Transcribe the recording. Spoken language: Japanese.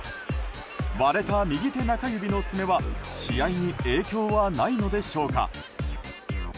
割れた右手中指の爪は試合に影響はないのでしょうか。